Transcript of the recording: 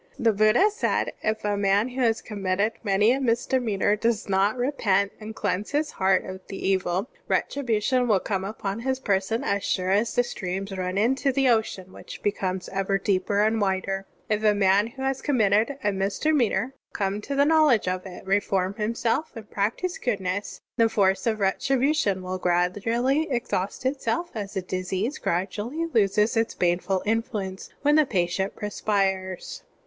(5) The Buddha said: "If a man who has conmiitted many a misdemeanor does not repent and cleanse his heart of the evil, retribution will come upon his person as siire as the streams run into the ocean which becomes ever deeper and wider. " If a man who has conmiitted a misdemeanor come to the knowledge of it, reform himself, and practise goodness, the force of retribution will gradually exhaust itself as a disease gradu ally loses its baneful influence when the patient perspires."